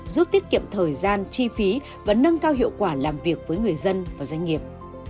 giúp tiết kiệm thời gian chi phí và nâng cao hiệu quả làm việc với người dân và doanh nghiệp